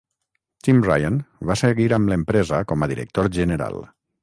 Tim Ryan va seguir amb l'empresa com a director general.